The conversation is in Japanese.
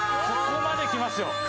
ここまできますよ。